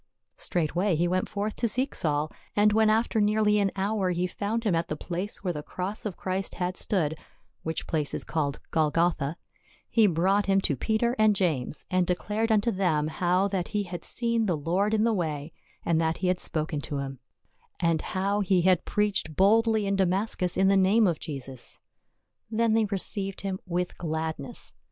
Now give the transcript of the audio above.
Straightway he went forth to seek Saul, and when after nearly an hour he found him at the place where the cross of Christ had stood — which place is called Golgotha, he brought him to Peter and James and declared unto them how that he had seen the Lord in the way, and that he had spoken to him ; and how he had preached SA UL IN JER USALEM. 141 boldly in Damascus in the name of Jesus. Then they received him with gladness.